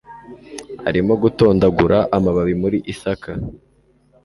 arimo gutondagura amababi muri ithaca